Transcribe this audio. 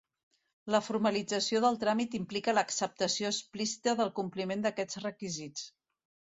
La formalització del tràmit implica l'acceptació explícita del compliment d'aquests requisits.